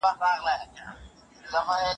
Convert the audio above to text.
«سلیم» قرآن وايي.